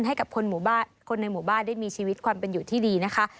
ให้กับคนในหมู่บ้านได้มีชีวิตความเป็นอยู่ที่ดีนะคะ